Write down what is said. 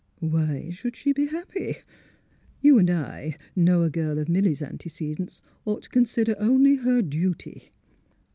Why should she be happy? You and I know a girl of Milly 's antecedents ought to consider only her duty."